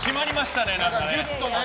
ギュッとね。